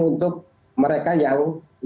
untuk mereka yang